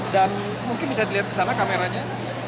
dan mungkin bisa dilihat ke sana kameranya